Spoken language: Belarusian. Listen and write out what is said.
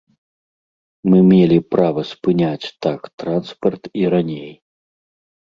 Мы мелі права спыняць так транспарт і раней.